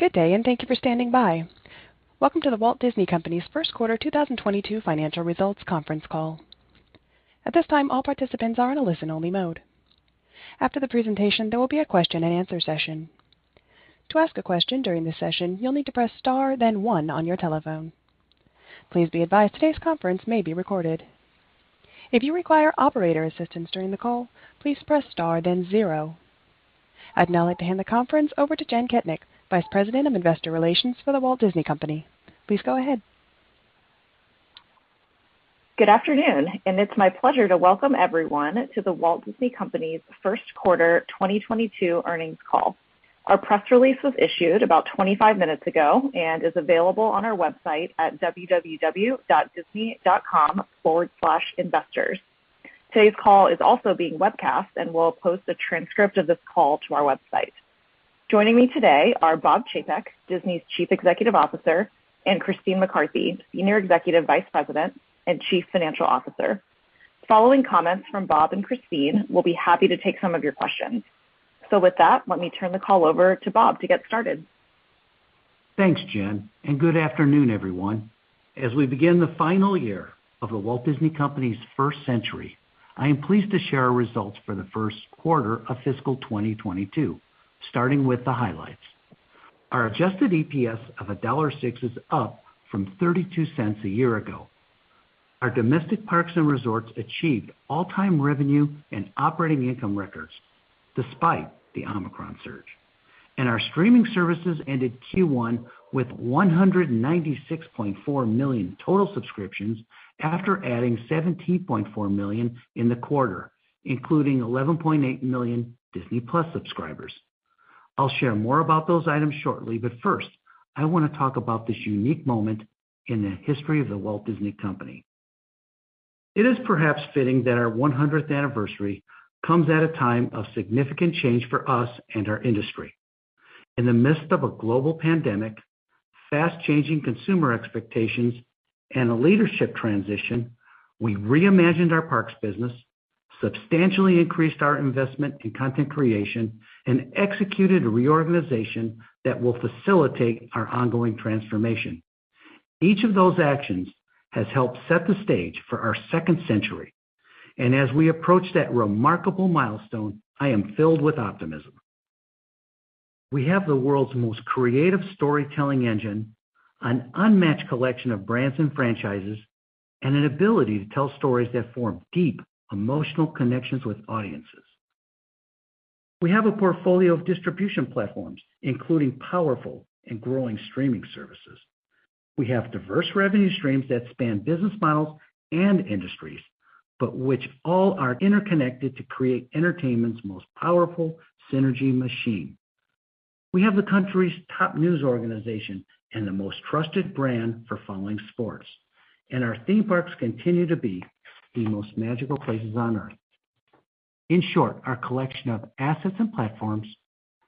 Good day, and thank you for standing by. Welcome to The Walt Disney Company's Q1 2022 Financial Results Conference Call. At this time, all participants are in a listen-only mode. After the presentation, there will be a question-and-answer session. To ask a question during the session, you'll need to press star, then one on your telephone. Please be advised today's conference may be recorded. If you require operator assistance during the call, please press star, then zero. I'd now like to hand the conference over to Jenn Kettnich, Vice President of Investor Relations for The Walt Disney Company. Please go ahead. Good afternoon, and it's my pleasure to welcome everyone to The Walt Disney Company's Q1 2022 earnings call. Our press release was issued about 25 minutes ago and is available on our website at www.disney.com/investors. Today's call is also being webcast, and we'll post a transcript of this call to our website. Joining me today are Bob Chapek, Disney's Chief Executive Officer, and Christine McCarthy, Senior Executive Vice President and Chief Financial Officer. Following comments from Bob and Christine, we'll be happy to take some of your questions. With that, let me turn the call over to Bob to get started. Thanks, Jen, and good afternoon, everyone. As we begin the final year of The Walt Disney Company's first century, I am pleased to share our results for the Q1 of fiscal 2022, starting with the highlights. Our adjusted EPS of $1.06 is up from $0.32 a year ago. Our domestic parks and resorts achieved all-time revenue and operating income records despite the Omicron surge. Our streaming services ended Q1 with 196.4 million total subscriptions after adding 17.4 million in the quarter, including 11.8 million Disney+ subscribers. I'll share more about those items shortly, but first, I want to talk about this unique moment in the history of The Walt Disney Company. It is perhaps fitting that our 100th anniversary comes at a time of significant change for us and our industry. In the midst of a global pandemic, fast-changing consumer expectations, and a leadership transition, we reimagined our parks business, substantially increased our investment in content creation, and executed a reorganization that will facilitate our ongoing transformation. Each of those actions has helped set the stage for our second century, and as we approach that remarkable milestone, I am filled with optimism. We have the world's most creative storytelling engine, an unmatched collection of brands and franchises, and an ability to tell stories that form deep emotional connections with audiences. We have a portfolio of distribution platforms, including powerful and growing streaming services. We have diverse revenue streams that span business models and industries, but which all are interconnected to create entertainment's most powerful synergy machine. We have the country's top news organization and the most trusted brand for following sports, and our theme parks continue to be the most magical places on Earth. In short, our collection of assets and platforms,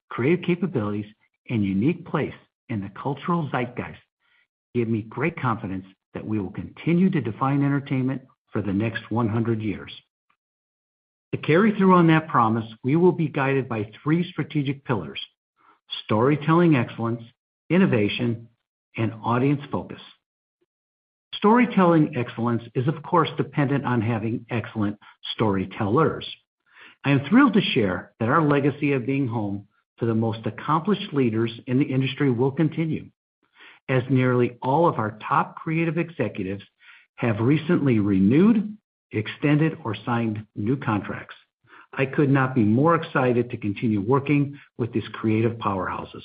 creative capabilities, and unique place in the cultural zeitgeist give me great confidence that we will continue to define entertainment for the next 100 years. To carry through on that promise, we will be guided by three strategic pillars, storytelling excellence, innovation, and audience focus. Storytelling excellence is of course dependent on having excellent storytellers. I am thrilled to share that our legacy of being home to the most accomplished leaders in the industry will continue, as nearly all of our top creative executives have recently renewed, extended, or signed new contracts. I could not be more excited to continue working with these creative powerhouses.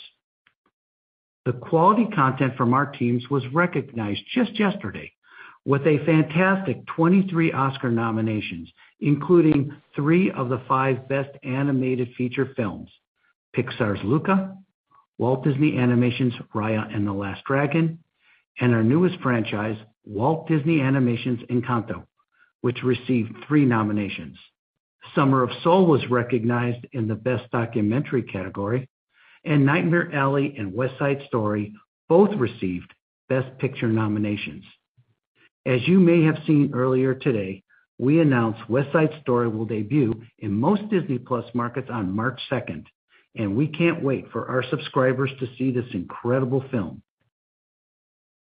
The quality content from our teams was recognized just yesterday with a fantastic 23 Oscar nominations, including three of the five Best Animated Feature films, Pixar's Luca, Walt Disney Animation's Raya and the Last Dragon, and our newest franchise, Walt Disney Animation's Encanto, which received three nominations. Summer of Soul was recognized in the Best Documentary Feature category, and Nightmare Alley and West Side Story both received Best Picture nominations. As you may have seen earlier today, we announced West Side Story will debut in most Disney+ markets on March 2, and we can't wait for our subscribers to see this incredible film.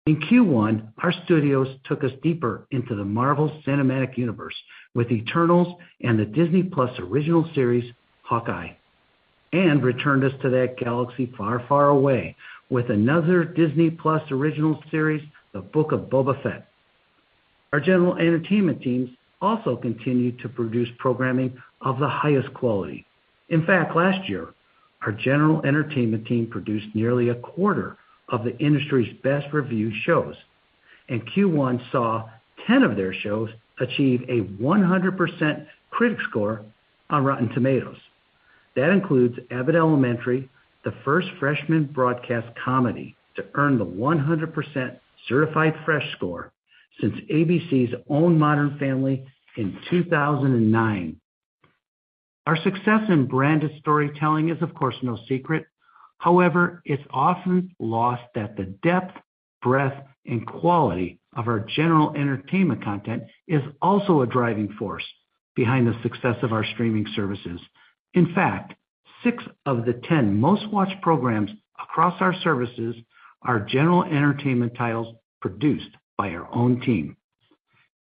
In Q1, our studios took us deeper into the Marvel Cinematic Universe with Eternals and the Disney+ original series Hawkeye, and returned us to that galaxy far, far away with another Disney+ original series, The Book of Boba Fett. Our general entertainment teams also continue to produce programming of the highest quality. In fact, last year, our general entertainment team produced nearly a quarter of the industry's best-reviewed shows, and Q1 saw 10 of their shows achieve a 100% critic score on Rotten Tomatoes. That includes Abbott Elementary, the first freshman broadcast comedy to earn the 100% certified fresh score since ABC's own Modern Family in 2009. Our success in branded storytelling is, of course, no secret. However, it's often lost that the depth, breadth and quality of our general entertainment content is also a driving force behind the success of our streaming services. In fact, six of the 10 most-watched programs across our services are general entertainment titles produced by our own team.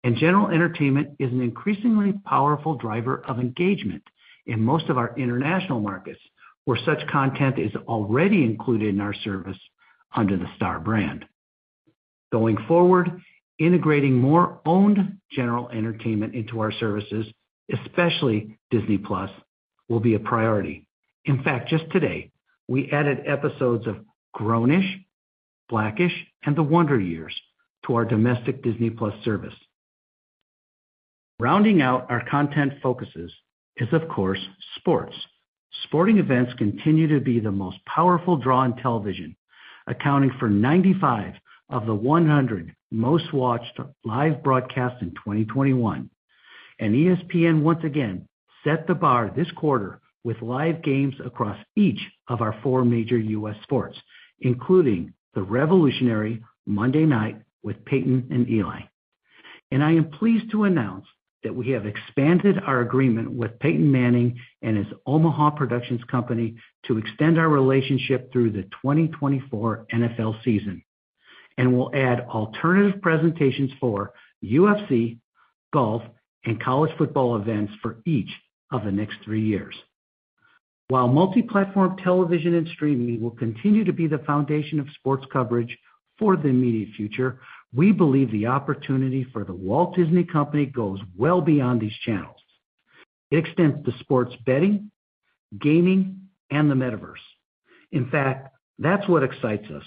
General entertainment is an increasingly powerful driver of engagement in most of our international markets, where such content is already included in our service under the Star brand. Going forward, integrating more owned general entertainment into our services, especially Disney+, will be a priority. In fact, just today, we added episodes of Grown-ish, Black-ish, and The Wonder Years to our domestic Disney+ service. Rounding out our content focuses is, of course, sports. Sporting events continue to be the most powerful draw in television, accounting for 95 of the 100 most-watched live broadcasts in 2021. ESPN, once again, set the bar this quarter with live games across each of our four major U.S. sports, including the revolutionary Monday Night Football with Peyton and Eli. I am pleased to announce that we have expanded our agreement with Peyton Manning and his Omaha Productions company to extend our relationship through the 2024 NFL season. We'll add alternative presentations for UFC, golf, and college football events for each of the next three years. While multi-platform television and streaming will continue to be the foundation of sports coverage for the immediate future, we believe the opportunity for The Walt Disney Company goes well beyond these channels. It extends to sports betting, gaming, and the metaverse. In fact, that's what excites us,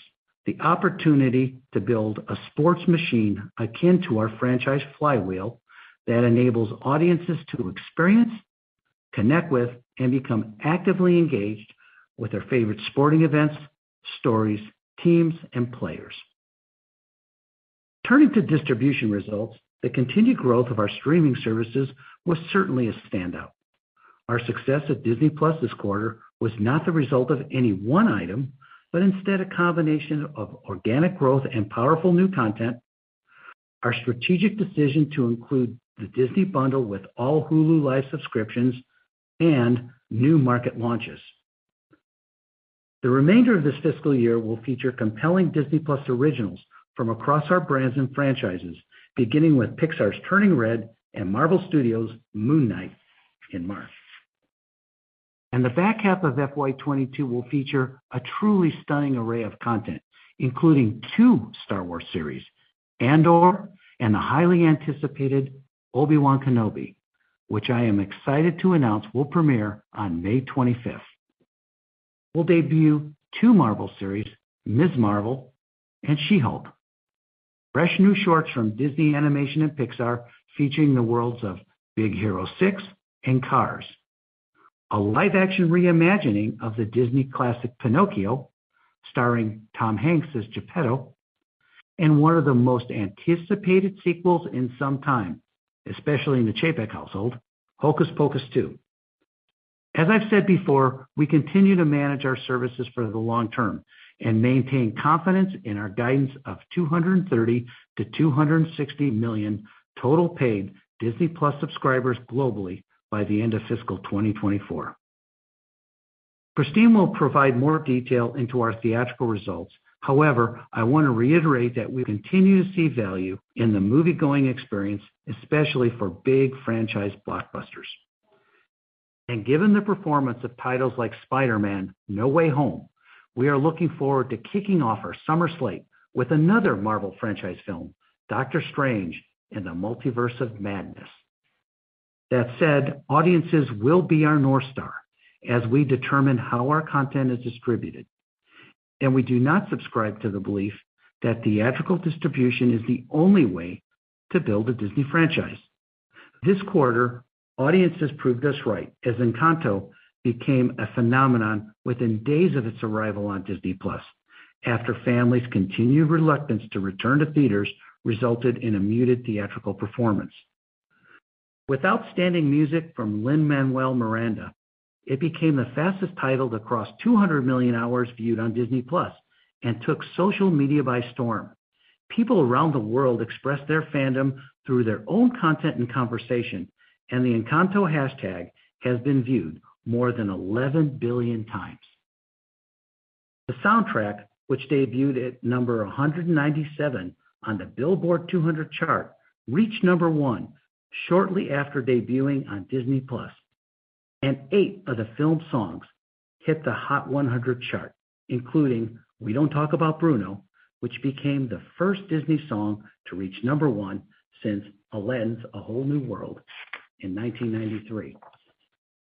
the opportunity to build a sports machine akin to our franchise flywheel that enables audiences to experience, connect with, and become actively engaged with their favorite sporting events, stories, teams, and players. Turning to distribution results, the continued growth of our streaming services was certainly a standout. Our success at Disney+ this quarter was not the result of any one item, but instead a combination of organic growth and powerful new content, our strategic decision to include the Disney bundle with all Hulu Live subscriptions, and new market launches. The remainder of this fiscal year will feature compelling Disney+ originals from across our brands and franchises, beginning with Pixar's Turning Red and Marvel Studios' Moon Knight in March. The back half of FY 2022 will feature a truly stunning array of content, including two Star Wars series, Andor and the highly anticipated Obi-Wan Kenobi, which I am excited to announce will premiere on May 25. We'll debut two Marvel series, Ms. Marvel and She-Hulk. Fresh new shorts from Disney Animation and Pixar featuring the worlds of Big Hero 6 and Cars. A live-action re-imagining of the Disney classic Pinocchio, starring Tom Hanks as Geppetto, and one of the most anticipated sequels in some time, especially in the Chapek household, Hocus Pocus II. As I've said before, we continue to manage our services for the long term and maintain confidence in our guidance of 230-260 million total paid Disney+ subscribers globally by the end of FY 2024. Christine will provide more detail into our theatrical results. However, I want to reiterate that we continue to see value in the moviegoing experience, especially for big franchise blockbusters. Given the performance of titles like Spider-Man: No Way Home, we are looking forward to kicking off our summer slate with another Marvel franchise film, Doctor Strange in the Multiverse of Madness. That said, audiences will be our North Star as we determine how our content is distributed. We do not subscribe to the belief that theatrical distribution is the only way to build a Disney franchise. This quarter, audiences proved us right as Encanto became a phenomenon within days of its arrival on Disney+, after families' continued reluctance to return to theaters resulted in a muted theatrical performance. With outstanding music from Lin-Manuel Miranda, it became the fastest title to cross 200 million hours viewed on Disney+ and took social media by storm. People around the world expressed their fandom through their own content and conversation, and the Encanto hashtag has been viewed more than 11 billion times. The soundtrack, which debuted at number 197 on the Billboard 200 chart, reached number one shortly after debuting on Disney+, and eight of the film's songs hit the Hot 100 chart, including We Don't Talk About Bruno, which became the first Disney song to reach number 1 since Aladdin's A Whole New World in 1993.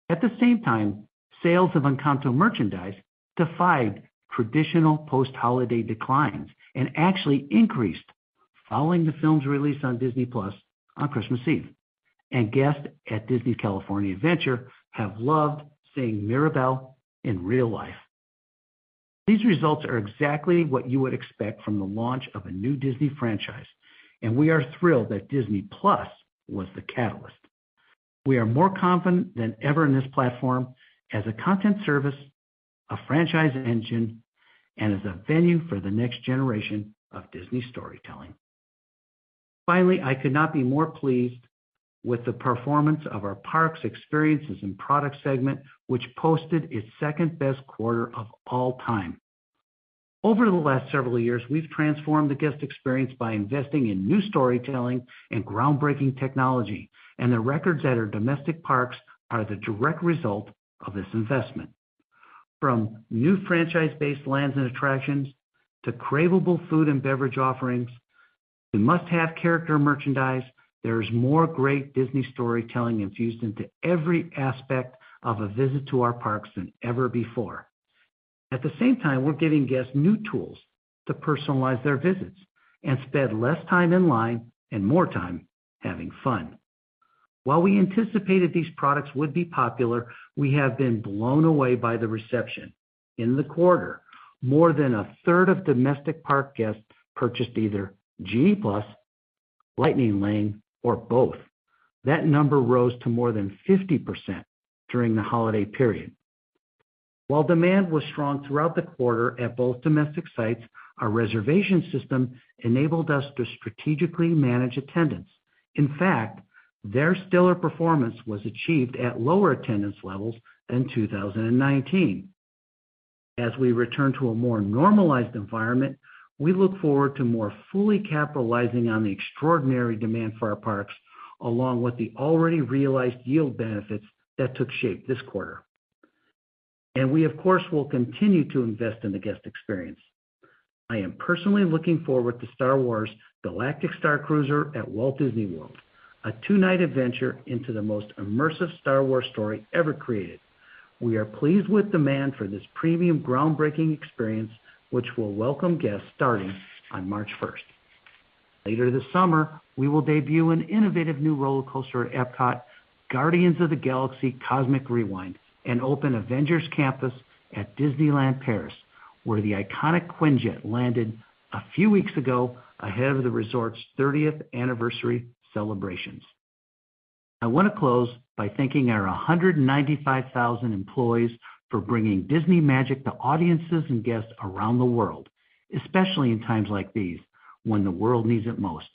At the same time, sales of Encanto merchandise defied traditional post-holiday declines and actually increased following the film's release on Disney+ on Christmas Eve. Guests at Disney California Adventure have loved seeing Mirabel in real life. These results are exactly what you would expect from the launch of a new Disney franchise, and we are thrilled that Disney+ was the catalyst. We are more confident than ever in this platform as a content service, a franchise engine, and as a venue for the next generation of Disney storytelling. Finally, I could not be more pleased with the performance of our Parks, Experiences and Products segment, which posted its second-best quarter of all time. Over the last several years, we've transformed the guest experience by investing in new storytelling and groundbreaking technology, and the records at our domestic parks are the direct result of this investment. From new franchise-based lands and attractions to cravable food and beverage offerings to must-have character merchandise, there is more great Disney storytelling infused into every aspect of a visit to our parks than ever before. At the same time, we're giving guests new tools to personalize their visits and spend less time in line and more time having fun. While we anticipated these products would be popular, we have been blown away by the reception. In the quarter, more than a third of domestic park guests purchased either Genie+, Lightning Lane, or both. That number rose to more than 50% during the holiday period. While demand was strong throughout the quarter at both domestic sites, our reservation system enabled us to strategically manage attendance. In fact, their stellar performance was achieved at lower attendance levels than 2019. As we return to a more normalized environment, we look forward to more fully capitalizing on the extraordinary demand for our parks, along with the already realized yield benefits that took shape this quarter. We of course will continue to invest in the guest experience. I am personally looking forward to Star Wars: Galactic Starcruiser at Walt Disney World, a two-night adventure into the most immersive Star Wars story ever created. We are pleased with demand for this premium groundbreaking experience, which will welcome guests starting on 1 March 2022. Later this summer, we will debut an innovative new roller coaster at EPCOT, Guardians of the Galaxy: Cosmic Rewind, and open Avengers Campus at Disneyland Paris, where the iconic Quinjet landed a few weeks ago ahead of the resort's 30th-anniversary celebrations. I want to close by thanking our 195,000 employees for bringing Disney magic to audiences and guests around the world, especially in times like these when the world needs it most.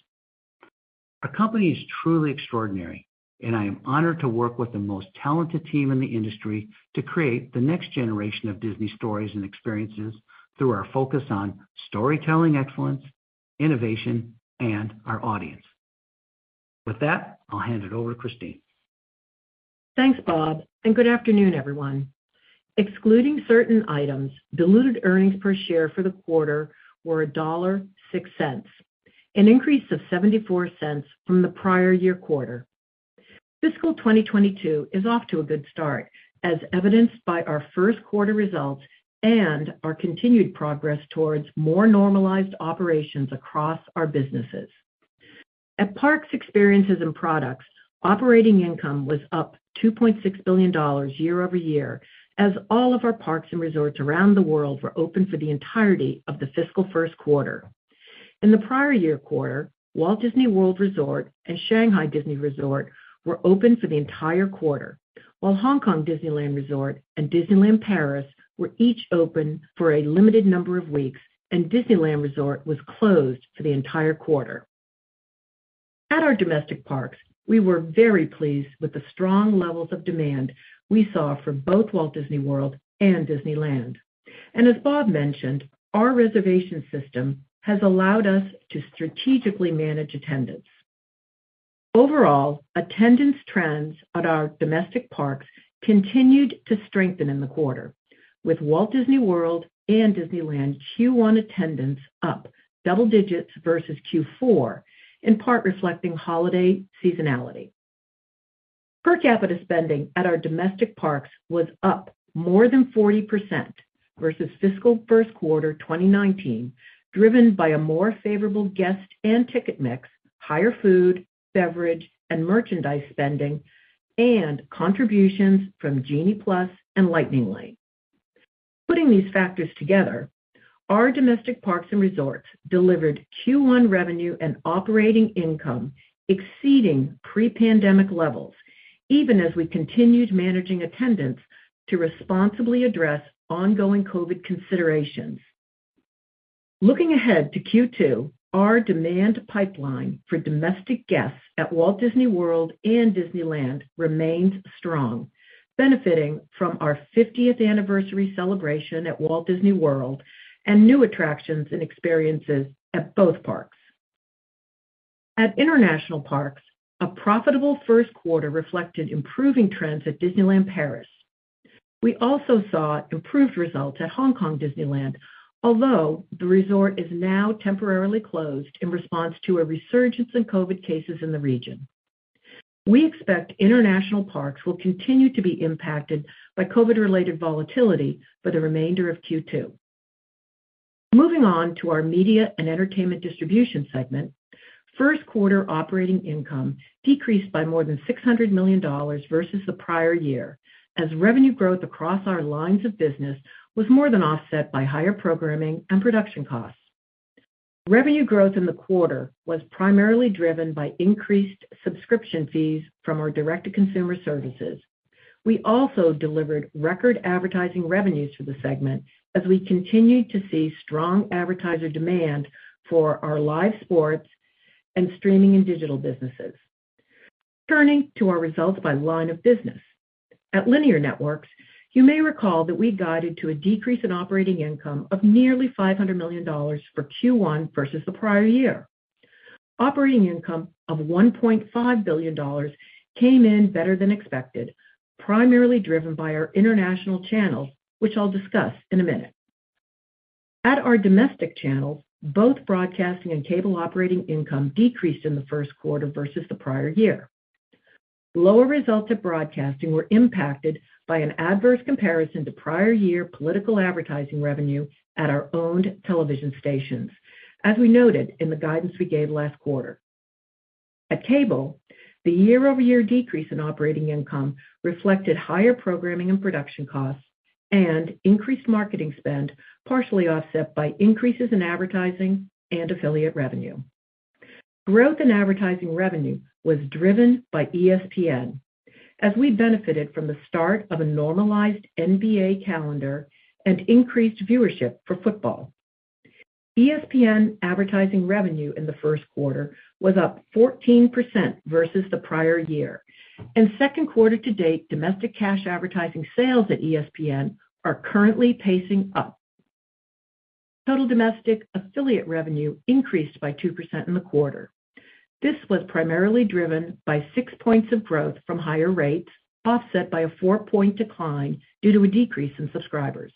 Our company is truly extraordinary, and I am honored to work with the most talented team in the industry to create the next generation of Disney stories and experiences through our focus on storytelling excellence, innovation, and our audience. With that, I'll hand it over to Christine. Thanks, Bob, and good afternoon, everyone. Excluding certain items, diluted earnings per share for the quarter were $1.06, an increase of $0.74 from the prior year quarter. Fiscal 2022 is off to a good start, as evidenced by our Q1 results and our continued progress towards more normalized operations across our businesses. At Parks, Experiences and Products, operating income was up $2.6 billion year-over-year as all of our parks and resorts around the world were open for the entirety of the fiscal Q1. In the prior year quarter, Walt Disney World Resort and Shanghai Disney Resort were open for the entire quarter, while Hong Kong Disneyland Resort and Disneyland Paris were each open for a limited number of weeks, and Disneyland Resort was closed for the entire quarter. At our domestic parks, we were very pleased with the strong levels of demand we saw from both Walt Disney World and Disneyland. As Bob mentioned, our reservation system has allowed us to strategically manage attendance. Overall, attendance trends at our domestic parks continued to strengthen in the quarter, with Walt Disney World and Disneyland Q1 attendance up double digits versus Q4, in part reflecting holiday seasonality. Per capita spending at our domestic parks was up more than 40% versus fiscal Q1 2019, driven by a more favorable guest and ticket mix, higher food, beverage, and merchandise spending, and contributions from Genie+ and Lightning Lane. Putting these factors together, our domestic parks and resorts delivered Q1 revenue and operating income exceeding pre-pandemic levels, even as we continued managing attendance to responsibly address ongoing COVID considerations. Looking ahead to Q2, our demand pipeline for domestic guests at Walt Disney World and Disneyland remains strong, benefiting from our 50th-anniversary celebration at Walt Disney World and new attractions and experiences at both parks. At international parks, a profitable Q1 reflected improving trends at Disneyland Paris. We also saw improved results at Hong Kong Disneyland, although the resort is now temporarily closed in response to a resurgence in COVID cases in the region. We expect international parks will continue to be impacted by COVID-related volatility for the remainder of Q2. Moving on to our Media and Entertainment Distribution segment, Q1 operating income decreased by more than $600 million versus the prior year as revenue growth across our lines of business was more than offset by higher programming and production costs. Revenue growth in the quarter was primarily driven by increased subscription fees from our Direct-to-Consumer services. We also delivered record advertising revenues for the segment as we continued to see strong advertiser demand for our live sports and streaming and digital businesses. Turning to our results by line of business. At Linear Networks, you may recall that we guided to a decrease in operating income of nearly $500 million for Q1 versus the prior year. Operating income of $1.5 billion came in better than expected, primarily driven by our international channels, which I'll discuss in a minute. At our domestic channels, both broadcasting and cable operating income decreased in the first quarter versus the prior year. Lower results at broadcasting were impacted by an adverse comparison to prior year political advertising revenue at our owned television stations, as we noted in the guidance we gave last quarter. At cable, the year-over-year decrease in operating income reflected higher programming and production costs and increased marketing spend, partially offset by increases in advertising and affiliate revenue. Growth in advertising revenue was driven by ESPN as we benefited from the start of a normalized NBA calendar and increased viewership for football. ESPN advertising revenue in the Q1 was up 14% versus the prior year, and Q2 to date, domestic cash advertising sales at ESPN are currently pacing up. Total domestic affiliate revenue increased by 2% in the quarter. This was primarily driven by six points of growth from higher rates, offset by a four-point decline due to a decrease in subscribers.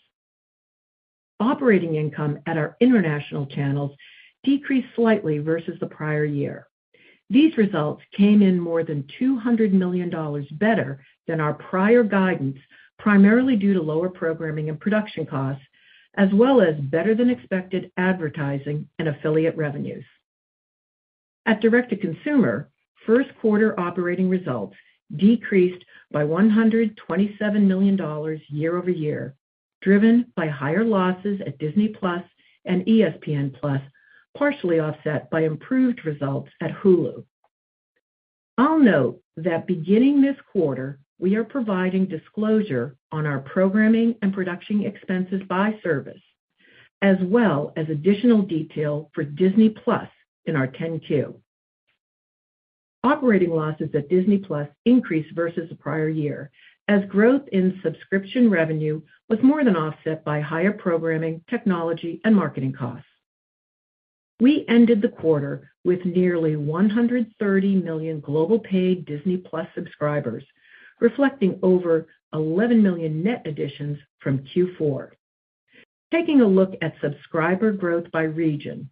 Operating income at our international channels decreased slightly versus the prior year. These results came in more than $200 million better than our prior guidance, primarily due to lower programming and production costs, as well as better than expected advertising and affiliate revenues. At direct-to-consumer, Q1 operating results decreased by $127 million year-over-year, driven by higher losses at Disney+ and ESPN+, partially offset by improved results at Hulu. I'll note that beginning this quarter, we are providing disclosure on our programming and production expenses by service, as well as additional detail for Disney+ in our 10-Q. Operating losses at Disney+ increased versus the prior year as growth in subscription revenue was more than offset by higher programming, technology, and marketing costs. We ended the quarter with nearly 130 million global paid Disney+ subscribers, reflecting over 11 million net additions from Q4. Taking a look at subscriber growth by region.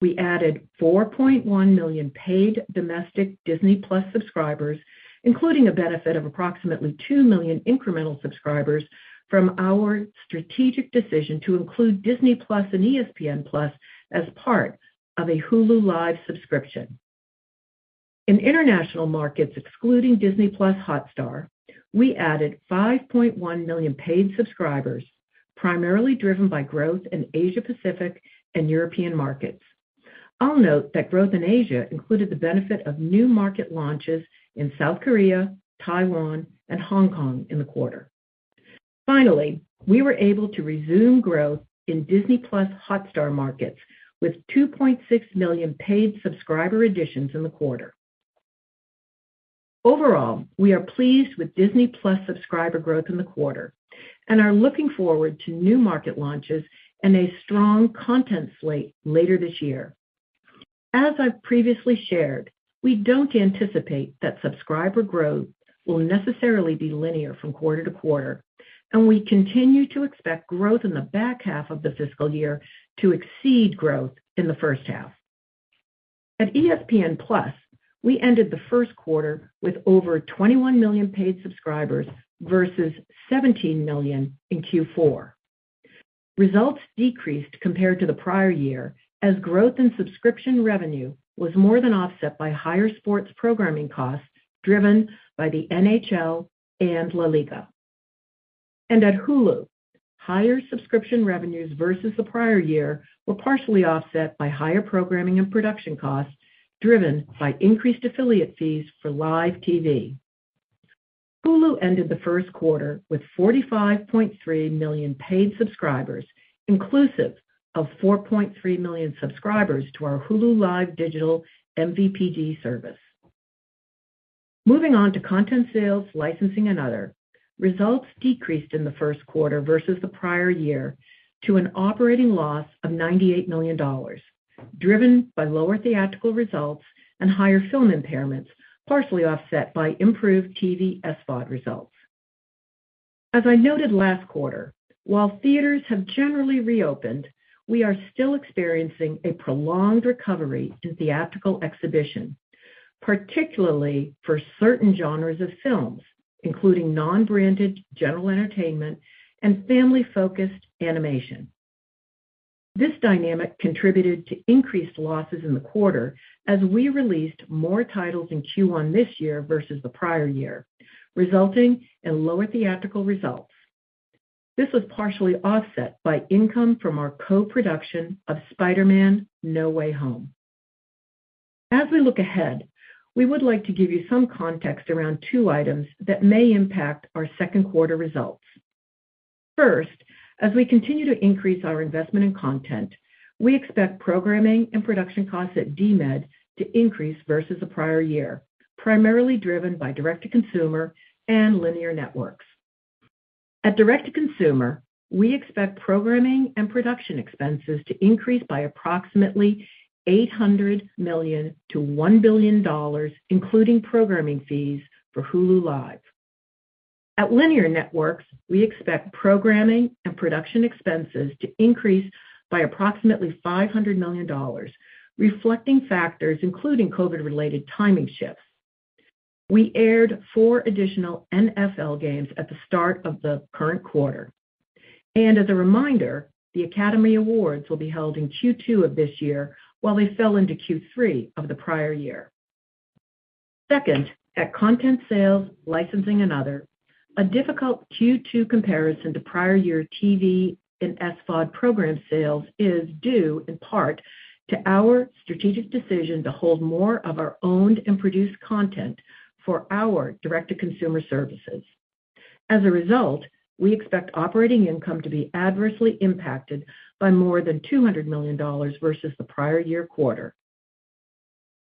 We added 4.1 million paid domestic Disney+ subscribers, including a benefit of approximately 2 million incremental subscribers from our strategic decision to include Disney+ and ESPN+ as part of a Hulu Live subscription. In international markets, excluding Disney+ Hotstar, we added 5.1 million paid subscribers, primarily driven by growth in Asia-Pacific and European markets. I'll note that growth in Asia included the benefit of new market launches in South Korea, Taiwan, and Hong Kong in the quarter. Finally, we were able to resume growth in Disney+ Hotstar markets with 2.6 million paid subscriber additions in the quarter. Overall, we are pleased with Disney+ subscriber growth in the quarter and are looking forward to new market launches and a strong content slate later this year. As I've previously shared, we don't anticipate that subscriber growth will necessarily be linear from quarter to quarter, and we continue to expect growth in the back half of the fiscal year to exceed growth in the first half. At ESPN+, we ended the first quarter with over 21 million paid subscribers versus 17 million in Q4. Results decreased compared to the prior year as growth in subscription revenue was more than offset by higher sports programming costs driven by the NHL and LaLiga. At Hulu, higher subscription revenues versus the prior year were partially offset by higher programming and production costs driven by increased affiliate fees for live TV. Hulu ended the first quarter with 45.3 million paid subscribers, inclusive of 4.3 million subscribers to our Hulu Live Digital MVPD service. Moving on to content sales, licensing, and other. Results decreased in the first quarter versus the prior year to an operating loss of $98 million, driven by lower theatrical results and higher film impairments, partially offset by improved TV SVOD results. As I noted last quarter, while theaters have generally reopened, we are still experiencing a prolonged recovery in theatrical exhibition, particularly for certain genres of films, including non-branded general entertainment and family-focused animation. This dynamic contributed to increased losses in the quarter as we released more titles in Q1 this year versus the prior year, resulting in lower theatrical results. This was partially offset by income from our co-production of Spider-Man: No Way Home. As we look ahead, we would like to give you some context around two items that may impact our second quarter results. First, as we continue to increase our investment in content, we expect programming and production costs at DMED to increase versus the prior year, primarily driven by direct-to-consumer and linear networks. At direct-to-consumer, we expect programming and production expenses to increase by approximately $800 million to $1 billion, including programming fees for Hulu Live. At Linear Networks, we expect programming and production expenses to increase by approximately $500 million, reflecting factors including COVID-related timing shifts. We aired four additional NFL games at the start of the current quarter. As a reminder, the Academy Awards will be held in Q2 of this year, while they fell into Q3 of the prior year. Second, at content sales, licensing and other, a difficult Q2 comparison to prior year TV and SVOD program sales is due in part to our strategic decision to hold more of our owned and produced content for our direct-to-consumer services. As a result, we expect operating income to be adversely impacted by more than $200 million versus the prior year quarter.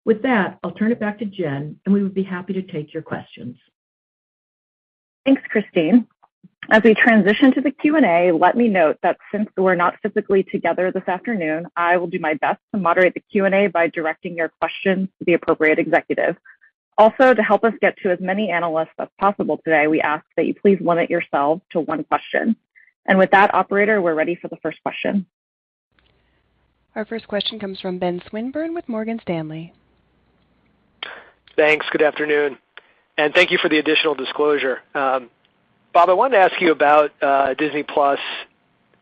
With that, I'll turn it back to Jen, and we would be happy to take your questions. Thanks, Christine. As we transition to the Q&A, let me note that since we're not physically together this afternoon, I will do my best to moderate the Q&A by directing your questions to the appropriate executive. Also, to help us get to as many analysts as possible today, we ask that you please limit yourself to one question. With that, operator, we're ready for the first question. Our first question comes from Ben Swinburne with Morgan Stanley. Thanks. Good afternoon, and thank you for the additional disclosure. Bob, I wanted to ask you about Disney+.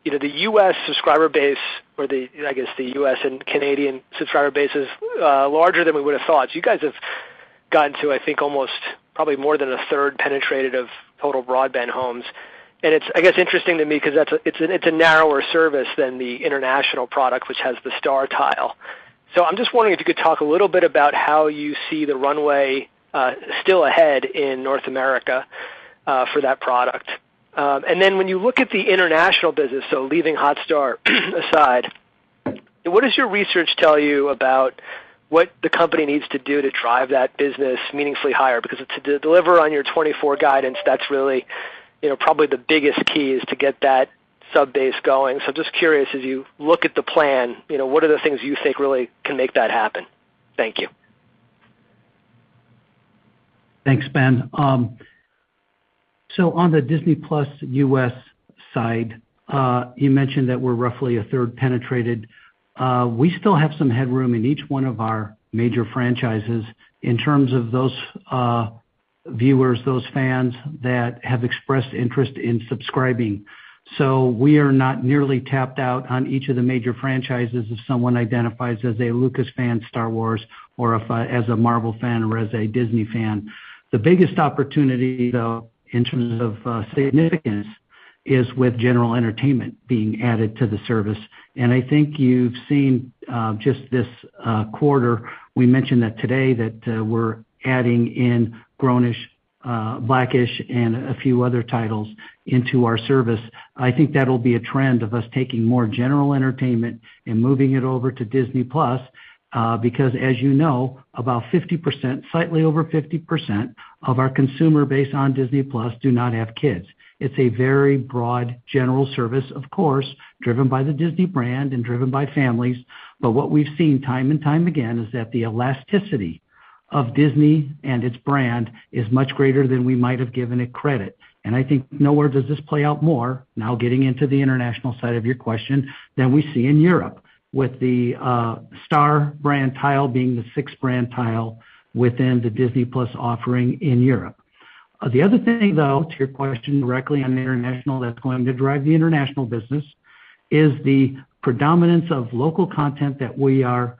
You know, the U.S. subscriber base or the, I guess, the U.S. and Canadian subscriber base is larger than we would have thought. You guys have gotten to, I think, almost probably more than a third penetrated of total broadband homes. It's, I guess, interesting to me because that's a narrower service than the international product, which has the Star tile. I'm just wondering if you could talk a little bit about how you see the runway still ahead in North America for that product. When you look at the international business, so leaving Hotstar aside, what does your research tell you about what the company needs to do to drive that business meaningfully higher? To deliver on your 2024 guidance, that's really, you know, probably the biggest key is to get that subscriber base going. Just curious, as you look at the plan, you know, what are the things you think really can make that happen? Thank you. Thanks, Ben. On the Disney+ U.S. side, you mentioned that we're roughly a third penetrated. We still have some headroom in each one of our major franchises in terms of those viewers, those fans that have expressed interest in subscribing. We are not nearly tapped out on each of the major franchises if someone identifies as a Lucasfilm fan, Star Wars, or if as a Marvel fan or as a Disney fan. The biggest opportunity, though, in terms of significance, is with general entertainment being added to the service. I think you've seen just this quarter, we mentioned that today that we're adding in Grown-ish, Black-ish and a few other titles into our service. I think that'll be a trend of us taking more general entertainment and moving it over to Disney+, because as you know, about 50%, slightly over 50% of our consumer base on Disney+ do not have kids. It's a very broad general service, of course, driven by the Disney brand and driven by families. But what we've seen time and time again is that the elasticity of Disney and its brand is much greater than we might have given it credit. I think nowhere does this play out more, now getting into the international side of your question, than we see in Europe with the Star brand tile being the sixth brand tile within the Disney+ offering in Europe. The other thing, though, to your question directly on international, that's going to drive the international business is the predominance of local content that we are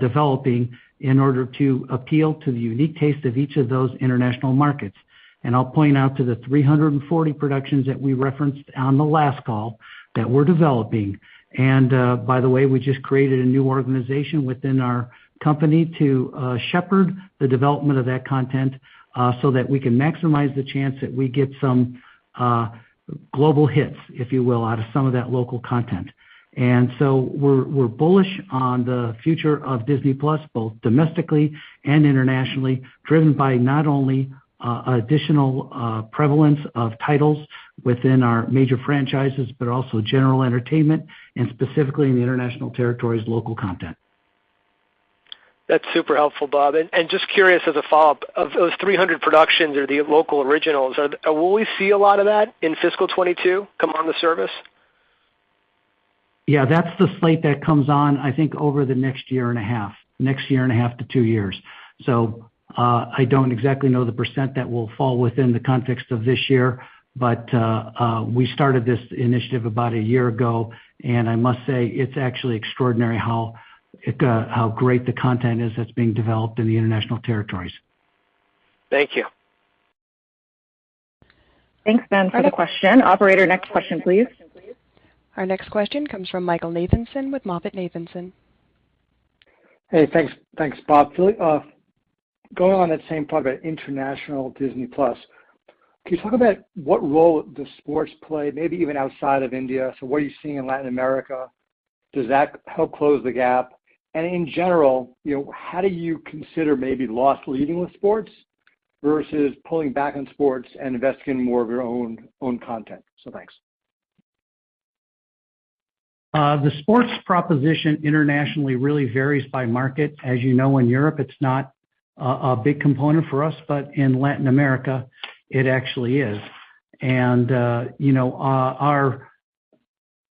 developing in order to appeal to the unique taste of each of those international markets. I'll point out to the 340 productions that we referenced on the last call that we're developing. By the way, we just created a new organization within our company to shepherd the development of that content so that we can maximize the chance that we get some global hits, if you will, out of some of that local content. We're bullish on the future of Disney Plus, both domestically and internationally, driven by not only additional prevalence of titles within our major franchises, but also general entertainment and specifically in the international territories, local content. That's super helpful, Bob. Just curious as a follow-up, of those 300 productions or the local originals, will we see a lot of that in fiscal 2022 come on the service? Yeah, that's the slate that comes on, I think, over the next year and a half to two years. I don't exactly know the percent that will fall within the context of this year, but we started this initiative about a year ago, and I must say it's actually extraordinary how great the content is that's being developed in the international territories. Thank you. Thanks, Ben, for the question. Operator, next question, please. Our next question comes from Michael Nathanson with MoffettNathanson. Hey, thanks. Thanks, Bob. Building on that same part about international Disney+. Can you talk about what role does sports play, maybe even outside of India? What are you seeing in Latin America? Does that help close the gap? In general, you know, how do you consider maybe loss leading with sports versus pulling back on sports and investing in more of your own content? Thanks. The sports proposition internationally really varies by market. As you know, in Europe, it's not a big component for us, but in Latin America, it actually is.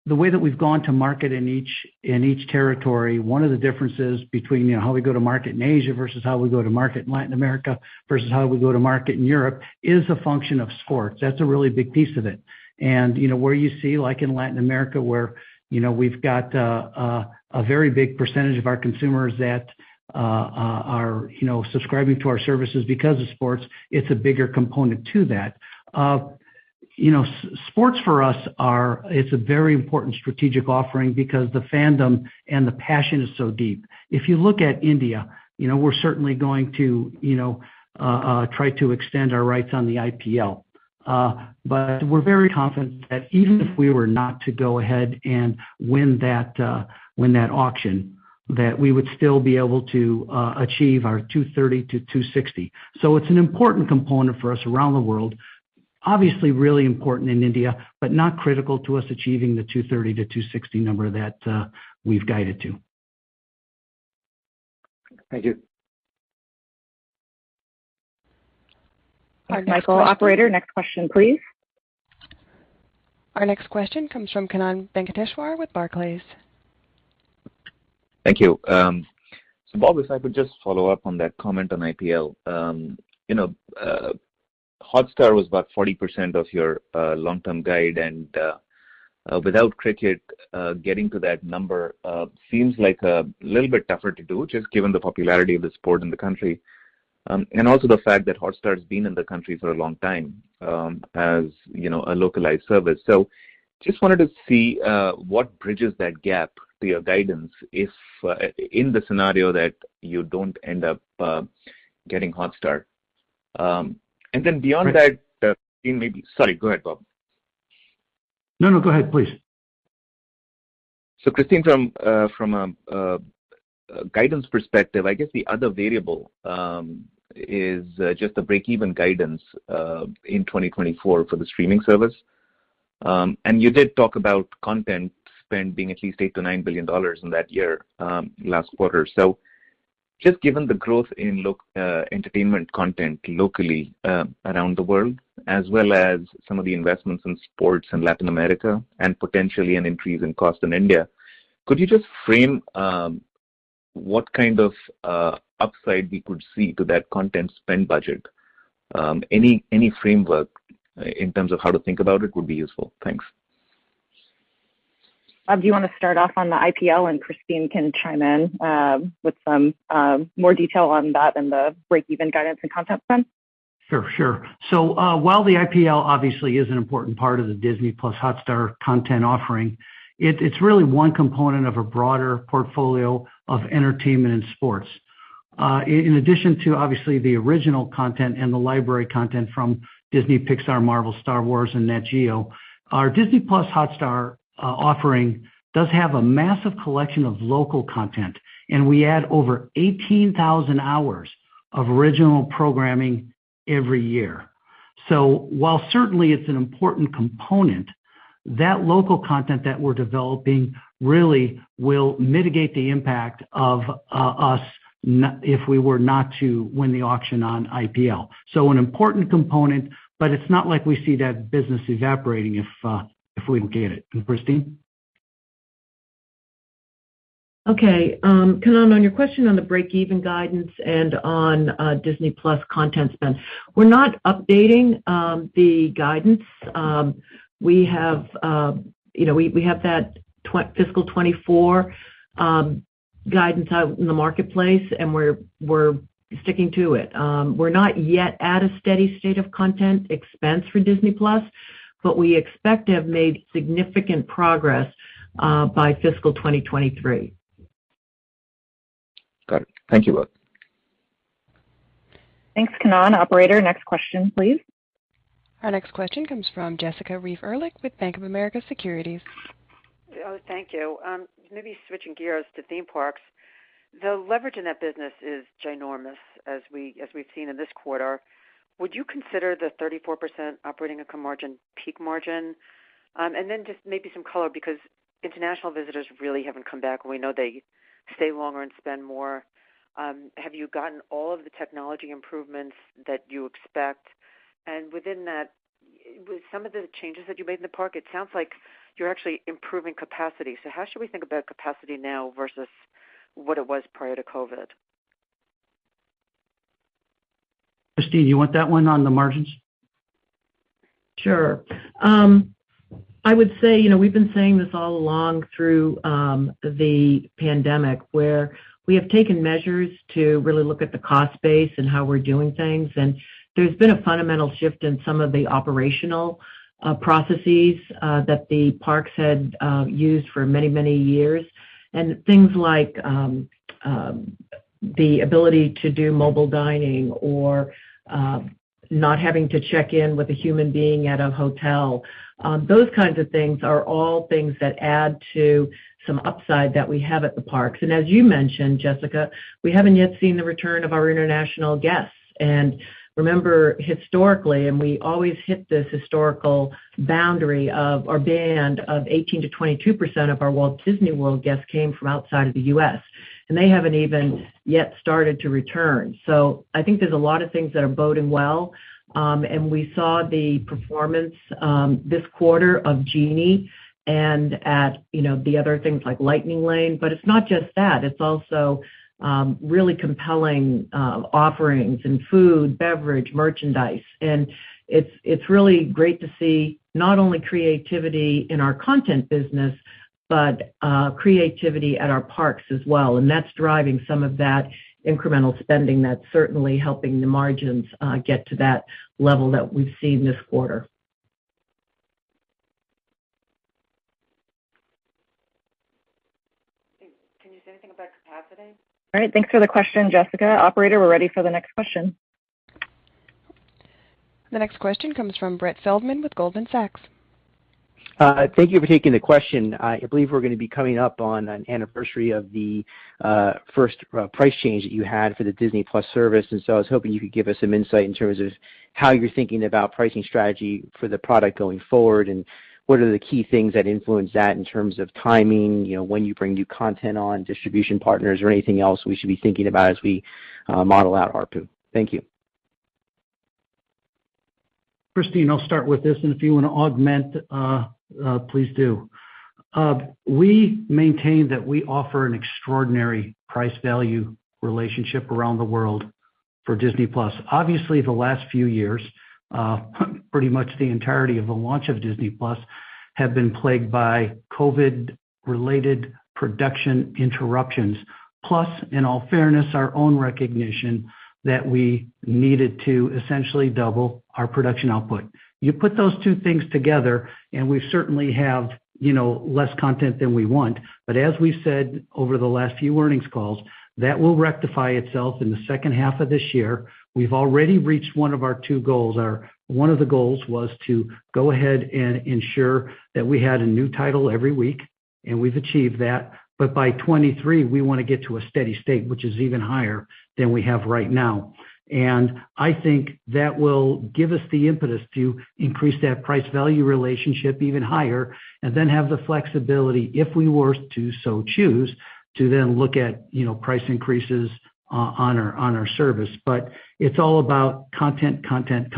The way that we've gone to market in each territory, one of the differences between, you know, how we go to market in Asia versus how we go to market in Latin America versus how we go to market in Europe is a function of sports. That's a really big piece of it. You know, where you see, like in Latin America, where, you know, we've got a very big percentage of our consumers that are, you know, subscribing to our services because of sports, it's a bigger component to that. You know, sports for us are a very important strategic offering because the fandom and the passion is so deep. If you look at India, you know, we're certainly going to, you know, try to extend our rights on the IPL. But we're very confident that even if we were not to go ahead and win that auction, that we would still be able to achieve our $230-$260. It's an important component for us around the world. Obviously, really important in India, but not critical to us achieving the $230-$260 number that we've guided to. Thank you. All right, Michael. Operator, next question, please. Our next question comes from Kannan Venkateshwar with Barclays. Thank you. Bob, if I could just follow up on that comment on IPL. You know, Hotstar was about 40% of your long-term guide, and without cricket, getting to that number seems like a little bit tougher to do, just given the popularity of the sport in the country, and also the fact that Hotstar has been in the country for a long time, as you know, a localized service. Just wanted to see what bridges that gap to your guidance if, in the scenario that you don't end up getting Hotstar. Beyond that, maybe- Kannan- Sorry, go ahead, Bob. No, no, go ahead, please. Christine, from a guidance perspective, I guess the other variable is just the breakeven guidance in 2024 for the streaming service. You did talk about content spend being at least $8 billion-$9 billion in that year last quarter. Just given the growth in local entertainment content locally around the world, as well as some of the investments in sports in Latin America and potentially an increase in cost in India, could you just frame what kind of upside we could see to that content spend budget? Any framework in terms of how to think about it would be useful. Thanks. Bob, do you wanna start off on the IPL, and Christine can chime in with some more detail on that and the breakeven guidance and content spend? Sure, sure. While the IPL obviously is an important part of the Disney+ Hotstar content offering, it's really one component of a broader portfolio of entertainment and sports. In addition to obviously the original content and the library content from Disney, Pixar, Marvel, Star Wars, and Nat Geo, our Disney+ Hotstar offering does have a massive collection of local content, and we add over 18,000 hours of original programming every year. While certainly it's an important component, that local content that we're developing really will mitigate the impact of if we were not to win the auction on IPL. An important component, but it's not like we see that business evaporating if we don't get it. Christine? Okay. Kannan, on your question on the breakeven guidance and on Disney+ content spend, we're not updating the guidance. We have, you know, we have that fiscal 2024 guidance out in the marketplace, and we're sticking to it. We're not yet at a steady state of content expense for Disney+, but we expect to have made significant progress by fiscal 2023. Got it. Thank you both. Thanks, Kannan. Operator, next question, please. Our next question comes from Jessica Reif Ehrlich with Bank of America Securities. Thank you. Maybe switching gears to theme parks. The leverage in that business is ginormous, as we've seen in this quarter. Would you consider the 34% operating income margin peak margin? Then just maybe some color, because international visitors really haven't come back. We know they stay longer and spend more. Have you gotten all of the technology improvements that you expect? Within that, with some of the changes that you made in the park, it sounds like you're actually improving capacity. How should we think about capacity now versus what it was prior to COVID? Christine, you want that one on the margins? Sure. I would say, you know, we've been saying this all along through the pandemic where we have taken measures to really look at the cost base and how we're doing things. There's been a fundamental shift in some of the operational processes that the parks had used for many, many years. Things like the ability to do mobile dining or not having to check in with a human being at a hotel, those kinds of things are all things that add to some upside that we have at the parks. As you mentioned, Jessica, we haven't yet seen the return of our international guests. Remember historically, we always hit this historical boundary of our band of 18%-22% of our Walt Disney World guests came from outside of the U.S., and they haven't even yet started to return. I think there's a lot of things that are boding well. We saw the performance this quarter of Genie and, you know, the other things like Lightning Lane. It's not just that. It's also really compelling offerings in food, beverage, merchandise. It's really great to see not only creativity in our content business, but creativity at our parks as well. That's driving some of that incremental spending that's certainly helping the margins get to that level that we've seen this quarter. Can you say anything about capacity? All right. Thanks for the question, Jessica. Operator, we're ready for the next question. The next question comes from Brett Feldman with Goldman Sachs. Thank you for taking the question. I believe we're gonna be coming up on an anniversary of the first price change that you had for the Disney+ service. I was hoping you could give us some insight in terms of how you're thinking about pricing strategy for the product going forward, and what are the key things that influence that in terms of timing, you know, when you bring new content on, distribution partners or anything else we should be thinking about as we model out ARPU. Thank you. Christine, I'll start with this, and if you wanna augment, please do. We maintain that we offer an extraordinary price-value relationship around the world for Disney+. Obviously, the last few years, pretty much the entirety of the launch of Disney+ have been plagued by COVID-related production interruptions. In all fairness, our own recognition that we needed to essentially double our production output. You put those two things together, and we certainly have, you know, less content than we want. As we said over the last few earnings calls, that will rectify itself in the second half of this year. We've already reached one of our two goals. One of the goals was to go ahead and ensure that we had a new title every week, and we've achieved that. By 2023, we wanna get to a steady state, which is even higher than we have right now. I think that will give us the impetus to increase that price-value relationship even higher and then have the flexibility, if we were to so choose, to then look at, you know, price increases on our service. It's all about content, content.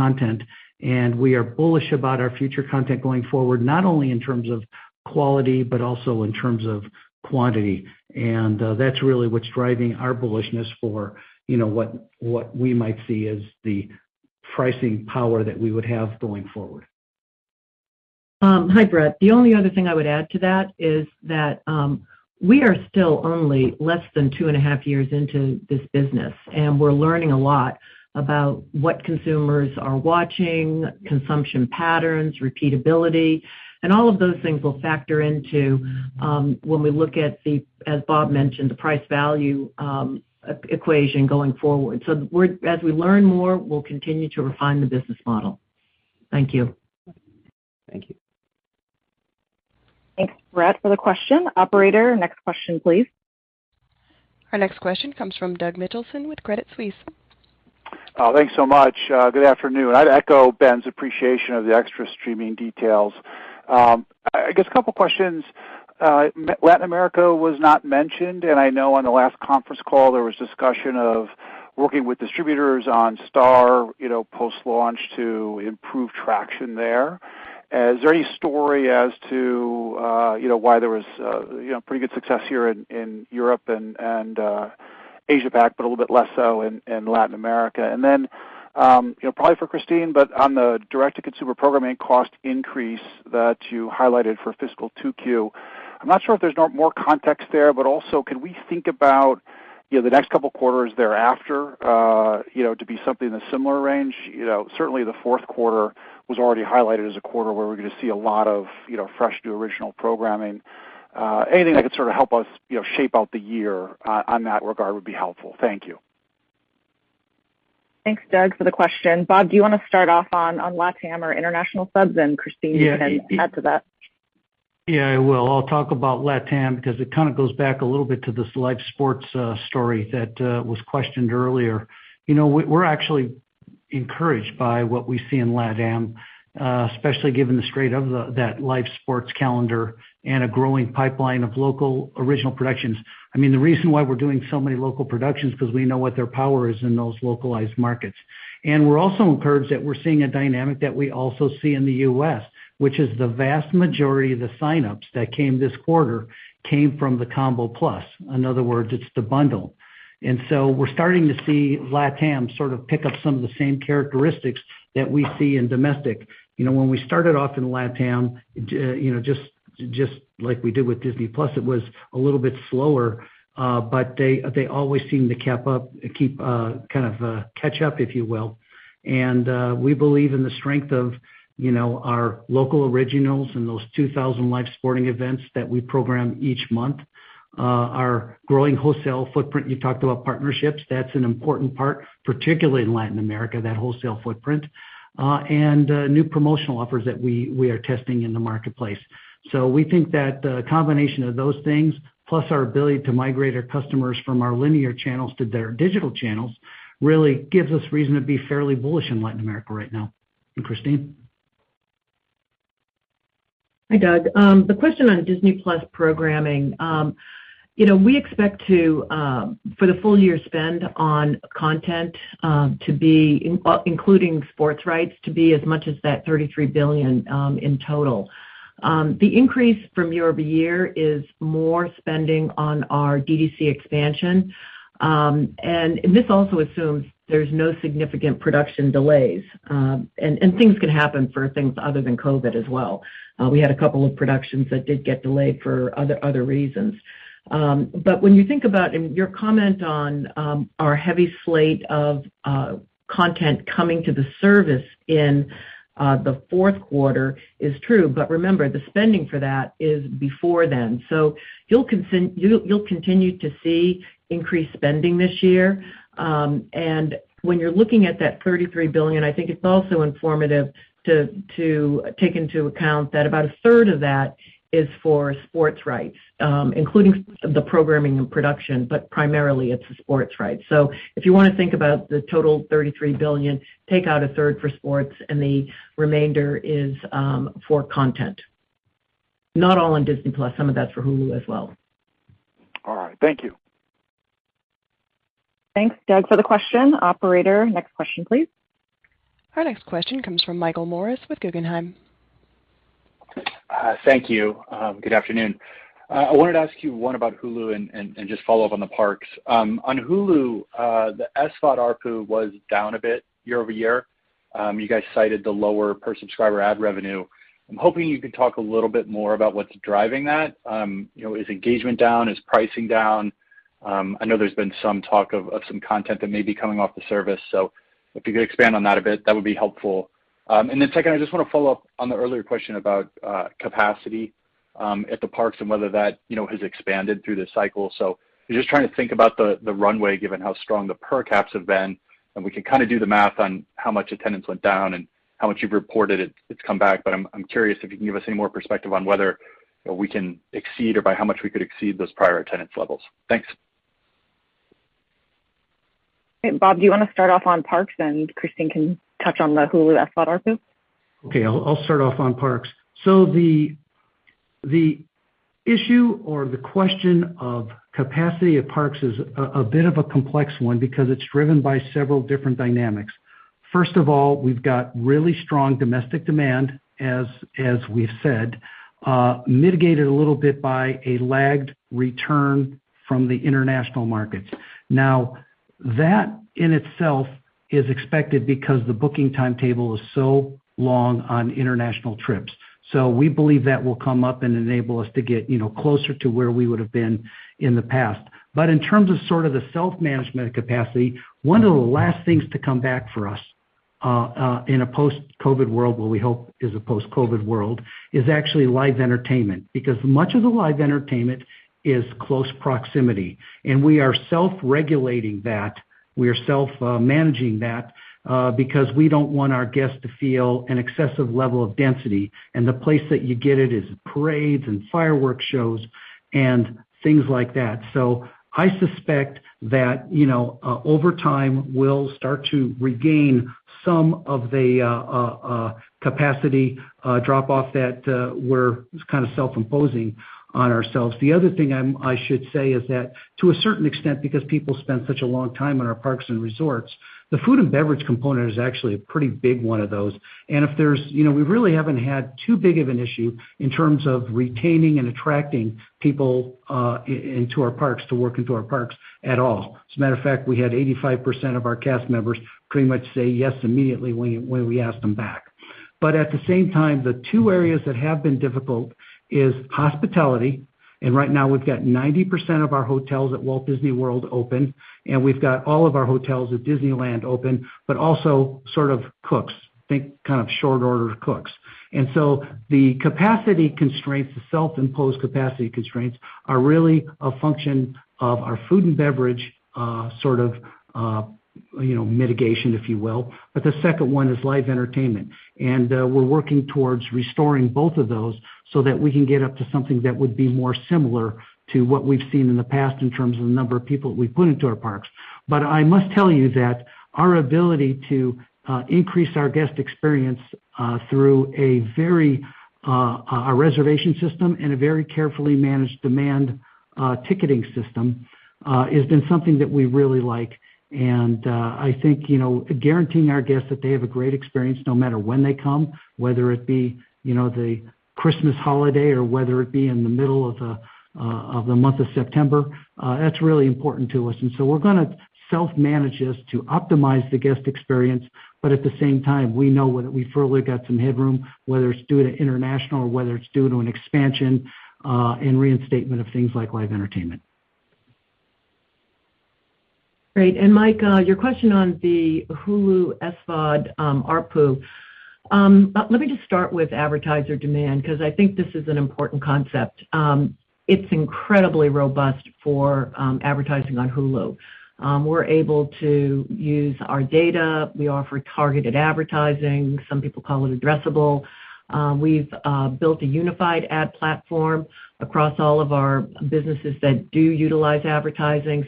We are bullish about our future content going forward, not only in terms of quality, but also in terms of quantity. That's really what's driving our bullishness for, you know, what we might see as the pricing power that we would have going forward. Hi, Brett. The only other thing I would add to that is that we are still only less than two and a half years into this business, and we're learning a lot about what consumers are watching, consumption patterns, repeatability, and all of those things will factor into when we look at the, as Bob mentioned, the price-value equation going forward. So, as we learn more, we'll continue to refine the business model. Thank you. Thank you. Thanks, Brett, for the question. Operator, next question, please. Our next question comes from Doug Mitchelson with Credit Suisse. Thanks so much. Good afternoon. I'd echo Ben's appreciation of the extra streaming details. I guess a couple questions. Latin America was not mentioned, and I know on the last conference call, there was discussion of working with distributors on Star, you know, post-launch to improve traction there. Is there any story as to, you know, why there was, you know, pretty good success here in Europe and Asia-Pac, and a little bit less so in Latin America? Then, you know, probably for Christine, but on the direct-to-consumer programming cost increase that you highlighted for fiscal Q2, I'm not sure if there's more context there, but also, can we think about, you know, the next couple quarters thereafter, you know, to be something in a similar range? You know, certainly the fourth quarter was already highlighted as a quarter where we're gonna see a lot of, you know, fresh, new original programming. Anything that could sort of help us, you know, shape out the year on that regard would be helpful. Thank you. Thanks, Doug, for the question. Bob, do you wanna start off on LatAm or international subs, and Christine, you can add to that? Yeah, I will. I'll talk about LatAm because it kind of goes back a little bit to this live sports story that was questioned earlier. You know, we're actually encouraged by what we see in LatAm, especially given the strength of that live sports calendar and a growing pipeline of local original productions. I mean, the reason why we're doing so many local productions, 'cause we know what their power is in those localized markets. We're also encouraged that we're seeing a dynamic that we also see in the U.S., which is the vast majority of the signups that came this quarter came from the Combo+. In other words, it's the bundle. We're starting to see LatAm sort of pick up some of the same characteristics that we see in domestic. You know, when we started off in LaTaM, just like we did with Disney+, it was a little bit slower, but they always seem to catch up, if you will. We believe in the strength of our local originals and those 2,000 live sporting events that we program each month, our growing wholesale footprint. You talked about partnerships, that's an important part, particularly in Latin America, that wholesale footprint, and new promotional offers that we are testing in the marketplace. We think that the combination of those things, plus our ability to migrate our customers from our linear channels to their digital channels, really gives us reason to be fairly bullish in Latin America right now. Christine. Hi, Doug. The question on Disney+ programming, you know, we expect to for the full year spend on content to be including sports rights to be as much as $33 billion in total. The increase year-over-year is more spending on our DTC expansion, and this also assumes there's no significant production delays, and things could happen from things other than COVID as well. We had a couple of productions that did get delayed for other reasons. But when you think about and your comment on our heavy slate of content coming to the service in the fourth quarter is true. Remember, the spending for that is before then. You'll continue to see increased spending this year, and when you're looking at that $33 billion, I think it's also informative to take into account that about a third of that is for sports rights, including the programming and production, but primarily it's the sports rights. If you wanna think about the total $33 billion, take out a third for sports and the remainder is for content. Not all on Disney+, some of that's for Hulu as well. All right. Thank you. Thanks, Doug, for the question. Operator, next question, please. Our next question comes from Michael Morris with Guggenheim. Hi. Thank you. Good afternoon. I wanted to ask you one about Hulu and just follow up on the parks. On Hulu, the SVOD ARPU was down a bit year-over-year. You guys cited the lower per subscriber ad revenue. I'm hoping you can talk a little bit more about what's driving that. You know, is engagement down? Is pricing down? I know there's been some talk of some content that may be coming off the service, so if you could expand on that a bit, that would be helpful. Then second, I just wanna follow up on the earlier question about capacity at the parks and whether that, you know, has expanded through the cycle. Just trying to think about the runway, given how strong the per caps have been, and we can kind of do the math on how much attendance went down and how much you've reported it's come back. I'm curious if you can give us any more perspective on whether, you know, we can exceed or by how much we could exceed those prior attendance levels. Thanks. Okay. Bob, do you wanna start off on parks, and Christine can touch on the Hulu SVOD ARPU? Okay. I'll start off on parks. The issue or the question of capacity at parks is a bit of a complex one because it's driven by several different dynamics. First of all, we've got really strong domestic demand, as we've said, mitigated a little bit by a lagged return from the international markets. Now, that in itself is expected because the booking timetable is so long on international trips. We believe that will come up and enable us to get you know closer to where we would have been in the past. In terms of sort of the self-management capacity, one of the last things to come back for us in a post-COVID world, what we hope is a post-COVID world, is actually live entertainment, because much of the live entertainment is close proximity, and we are self-regulating that. We are self-managing that because we don't want our guests to feel an excessive level of density, and the place that you get it is parades and fireworks shows and things like that. I suspect that you know over time we'll start to regain some of the capacity drop-off that we're just kind of self-imposing on ourselves. The other thing I should say is that to a certain extent, because people spend such a long time in our parks and resorts, the food and beverage component is actually a pretty big one of those. If there's, you know, we really haven't had too big of an issue in terms of retaining and attracting people into our parks to work in our parks at all. As a matter of fact, we had 85% of our cast members pretty much say yes immediately when we asked them back. At the same time, the two areas that have been difficult is hospitality, and right now we've got 90% of our hotels at Walt Disney World open, and we've got all of our hotels at Disneyland open, but also sort of cooks, think kind of short order cooks. The capacity constraints, the self-imposed capacity constraints are really a function of our food and beverage, sort of, you know, mitigation, if you will. The second one is live entertainment. We're working towards restoring both of those so that we can get up to something that would be more similar to what we've seen in the past in terms of the number of people we put into our parks. I must tell you that our ability to increase our guest experience through a reservation system and a very carefully managed demand ticketing system has been something that we really like. I think, you know, guaranteeing our guests that they have a great experience no matter when they come, whether it be, you know, the Christmas holiday or whether it be in the middle of the month of September, that's really important to us. We're gonna self-manage this to optimize the guest experience. At the same time, we know whether we've further got some headroom, whether it's due to international or whether it's due to an expansion and reinstatement of things like live entertainment. Great. Mike, your question on the Hulu SVOD ARPU. Let me just start with advertiser demand because I think this is an important concept. It's incredibly robust for advertising on Hulu. We're able to use our data. We offer targeted advertising. Some people call it addressable. We've built a unified ad platform across all of our businesses that do utilize advertising.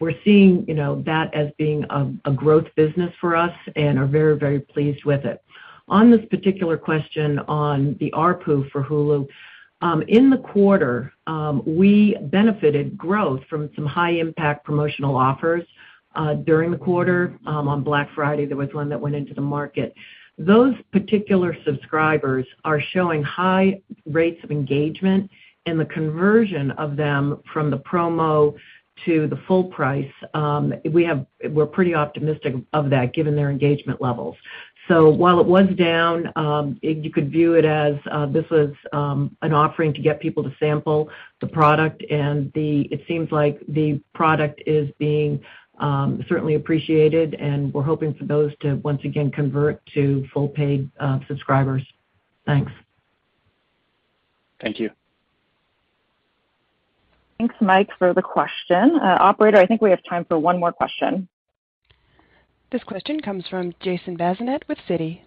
We're seeing, you know, that as being a growth business for us and are very, very pleased with it. On this particular question on the ARPU for Hulu, in the quarter, we benefited growth from some high impact promotional offers during the quarter. On Black Friday, there was one that went into the market. Those particular subscribers are showing high rates of engagement and the conversion of them from the promo to the full price. We're pretty optimistic of that given their engagement levels. While it was down, you could view it as this was an offering to get people to sample the product and it seems like the product is being certainly appreciated and we're hoping for those to once again convert to full paid subscribers. Thanks. Thank you. Thanks, Mike, for the question. Operator, I think we have time for one more question. This question comes from Jason Bazinet with Citi.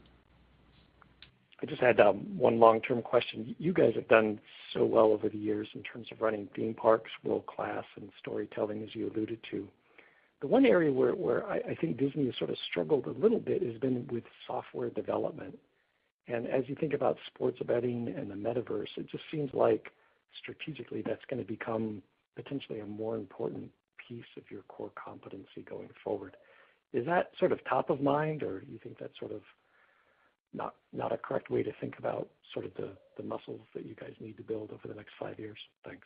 I just had one long-term question. You guys have done so well over the years in terms of running theme parks, world-class and storytelling, as you alluded to. The one area where I think Disney has sort of struggled a little bit has been with software development. As you think about sports betting and the metaverse, it just seems like strategically that's gonna become potentially a more important piece of your core competency going forward. Is that sort of top of mind or you think that's sort of not a correct way to think about sort of the muscles that you guys need to build over the next five years? Thanks.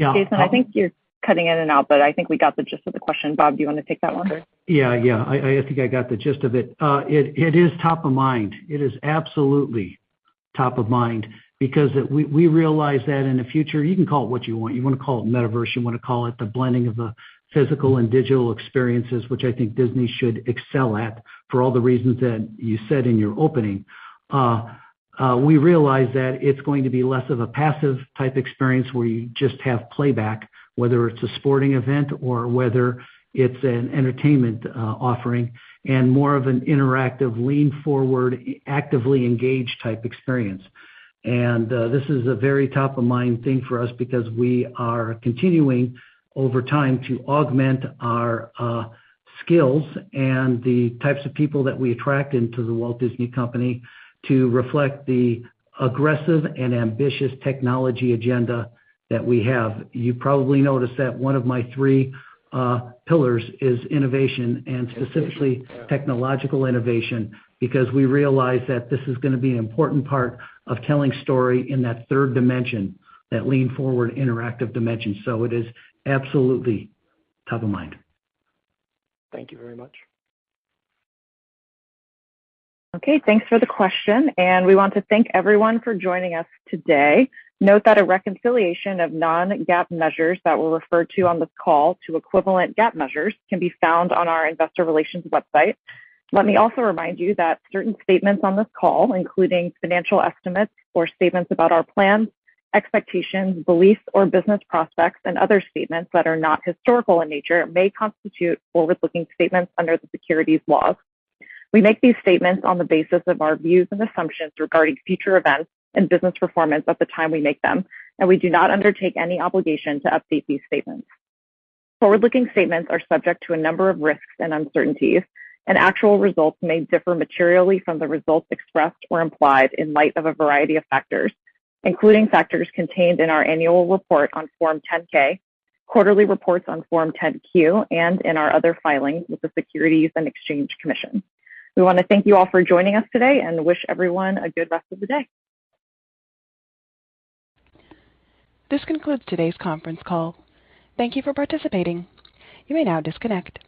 Jason, I think you're cutting in and out, but I think we got the gist of the question. Bob, do you want to take that one or? Yeah. I think I got the gist of it. It is top of mind. It is absolutely top of mind because we realize that in the future, you can call it what you want. You want to call it metaverse, you want to call it the blending of the physical and digital experiences, which I think Disney should excel at for all the reasons that you said in your opening. We realize that it's going to be less of a passive type experience where you just have playback, whether it's a sporting event or whether it's an entertainment offering and more of an interactive lean forward, actively engaged type experience. This is a very top of mind thing for us because we are continuing over time to augment our skills and the types of people that we attract into The Walt Disney Company to reflect the aggressive and ambitious technology agenda that we have. You probably noticed that one of my three pillars is innovation and specifically technological innovation, because we realize that this is going to be an important part of telling story in that third dimension, that lean forward interactive dimension. It is absolutely top of mind. Thank you very much. Okay, thanks for the question, and we want to thank everyone for joining us today. Note that a reconciliation of non-GAAP measures that were referred to on this call to equivalent GAAP measures can be found on our investor relations website. Let me also remind you that certain statements on this call, including financial estimates or statements about our plans, expectations, beliefs, or business prospects, and other statements that are not historical in nature may constitute forward-looking statements under the securities laws. We make these statements on the basis of our views and assumptions regarding future events and business performance at the time we make them, and we do not undertake any obligation to update these statements. Forward-looking statements are subject to a number of risks and uncertainties, and actual results may differ materially from the results expressed or implied in light of a variety of factors, including factors contained in our annual report on form 10-K, quarterly reports on form 10-Q, and in our other filings with the Securities and Exchange Commission. We want to thank you all for joining us today and wish everyone a good rest of the day. This concludes today's conference call. Thank you for participating. You may now disconnect.